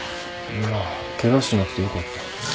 いやケガしなくてよかった。